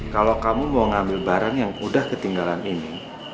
kalau kamu mau ngambil barang yang udah ketinggalan ini